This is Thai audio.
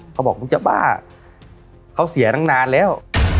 เขาบอกมึงจะบ้าเขาเสียตั้งนานแล้ว